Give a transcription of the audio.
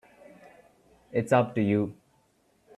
It's up to you.